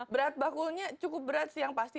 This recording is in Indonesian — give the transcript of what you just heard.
berat bakulnya cukup berat sih yang pasti